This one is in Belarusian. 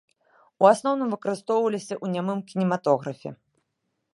У асноўным выкарыстоўваліся ў нямым кінематографе.